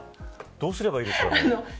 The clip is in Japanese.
どうすればいいですか。